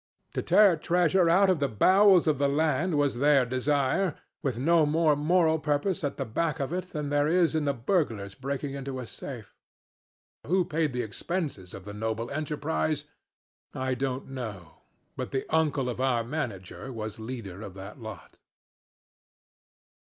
To tear treasure out of the bowels of the land was their desire, with no more moral purpose at the back of it than there is in burglars breaking into a safe. Who paid the expenses of the noble enterprise I don't know; but the uncle of our manager was leader of that lot.